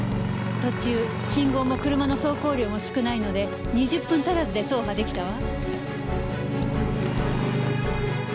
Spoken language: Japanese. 途中信号も車の走行量も少ないので２０分足らずで走破出来たわ。